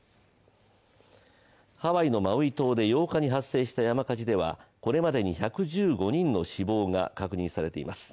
ハワイのマウイ島で８日に発生した山火事ではこれまでに１１５人の死亡が確認されています。